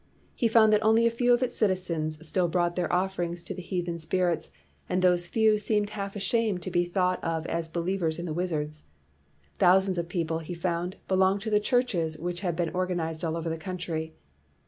He found that only a few of its citizens still brought their offerings to the heathen spirits, and those few seemed half ashamed to be thought of as believers in the wizards. Thousands of people, he found, belonged to the churches which had been organized all over the country.